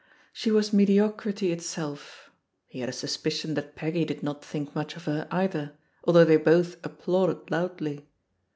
She was mediocrity it self. He had a suspicion that Peggy did not think much of her either, although they both ap plauded loudly.